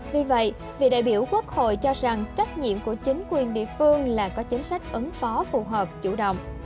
vì vậy vị đại biểu quốc hội cho rằng trách nhiệm của chính quyền địa phương là có chính sách ứng phóng